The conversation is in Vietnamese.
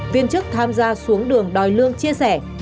viên chức tham gia xuống đường đòi lương chia sẻ